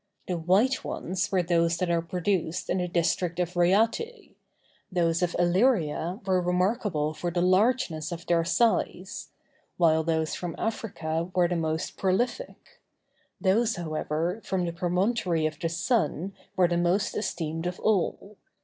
The white ones were those that are produced in the district of Reate; those of Illyria were remarkable for the largeness of their size; while those from Africa were the most prolific; those, however, from the Promontory of the Sun were the most esteemed of all.